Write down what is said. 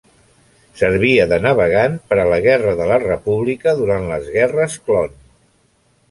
Servia de navegant per a la guerra de la República durant les Guerres Clon.